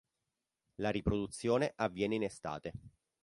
La riproduzione avviene in estate.